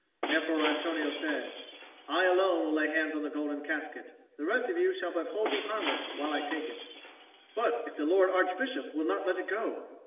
Therefore Antonio said, "I alone will lay hands on the golden casket; the rest of you shall but hold me harmless while I take it." "But if the Lord Archbishop will not let it go?"